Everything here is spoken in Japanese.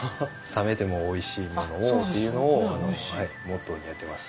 冷めてもおいしいっていうのをモットーにやってます。